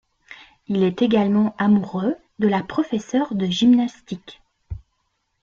Il est également amoureux de la professeur de gymnastique…